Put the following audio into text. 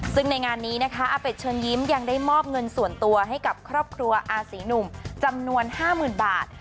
ซึ่งในงานนี้นะคะอาเป็ดเชิญยิ้มยังได้มอบเงินส่วนตัวให้กับครอบครัวอาศรีหนุ่มจำนวน๕๐๐๐บาท